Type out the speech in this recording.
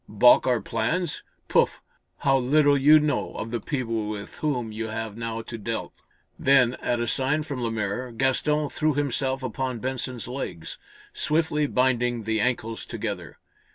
Balk our plans? Pouf? How little you know of the people with whom you have now to dealt." Then, at a sign from Lemaire, Gaston threw himself upon Benson's legs, swiftly binding the ankles together.